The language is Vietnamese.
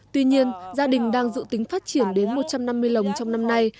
tuy nhiên gia đình đang dự tính phát triển đến một trăm năm mươi lồng trong năm nay